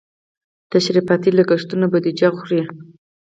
تشریفاتي لګښتونه بودیجه خوري.